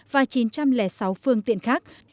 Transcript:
và chín trăm linh sáu phương tiện khác